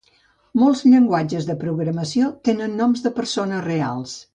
Molts llenguatges de programació tenen noms de persones reals.